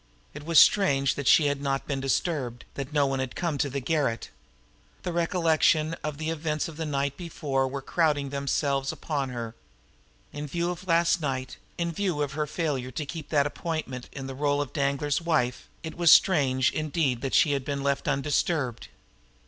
It was strange that she had not been disturbed, that no one had come to the garret! The recollection of the events of the night before were crowding themselves upon her now. In view of last night, in view of her failure to keep that appointment in the role of Danglar's wife, it was very strange indeed that she had been left undisturbed!